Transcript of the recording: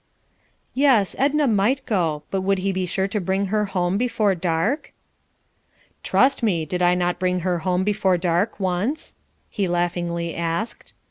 "Yes. Edna might go, but he would be sure to bring her home before dark?" "Trust me; did I not bring her home before dark once?" he laughingly asked.